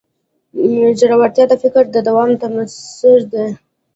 ژورتیا د فکر د دوام ثمره ده.